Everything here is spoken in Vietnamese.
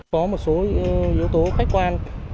có một số yếu tố khách quan